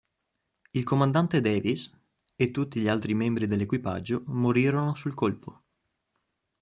Il comandante Davis e tutti gli altri membri dell'equipaggio morirono sul colpo.